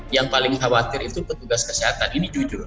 yang paling khawatir itu petugas kesehatan ini jujur